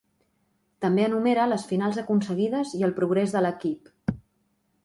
També enumera les finals aconseguides i el progrés de l'equip.